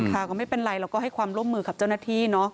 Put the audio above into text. ค่ะก็ไม่เป็นไรเราก็ให้ความร่วมมือกับเจ้าหน้าที่เนอะ